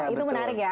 itu menarik ya